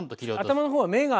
頭の方は芽が。